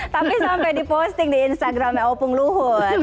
tapi sampai diposting di instagramnya opung luhut